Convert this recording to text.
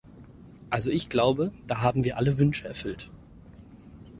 Also ich glaube, da haben wir alle Wünsche erfüllt.